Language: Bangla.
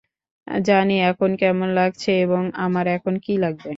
জানি এখন কেমন লাগছে এবং আমার এখন কী লাগবে।